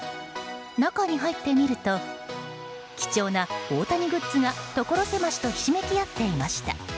中に入ってみると貴重な大谷グッズがところ狭しとひしめき合っていました。